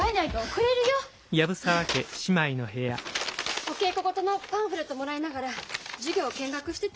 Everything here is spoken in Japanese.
お稽古事のパンフレットもらいながら授業見学してた。